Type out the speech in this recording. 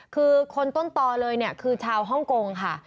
คือคนต้นต่อเลยเนี่ยคือชาวฮ่องกงค่ะ